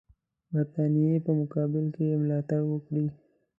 برټانیې په مقابل کې یې ملاتړ وکړي.